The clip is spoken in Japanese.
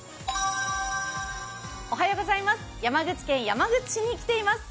山口県山口市に来ています。